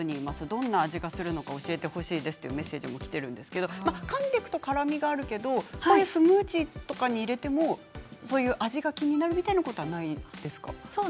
どんな味がするのか教えてほしいですというメッセージもきているんですがかんでいくと辛みもあるけれどもスムージーに入れても味が気になるみたいなことはないんですか？